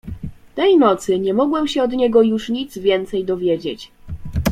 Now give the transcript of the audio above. "Tej nocy nie mogłem się od niego już nic więcej dowiedzieć."